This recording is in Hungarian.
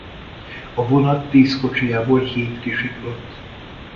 A vonat tíz kocsijából hét kisiklott.